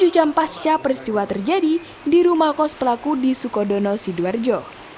tujuh jam pasca peristiwa terjadi di rumah kos pelaku di sukodono sidoarjo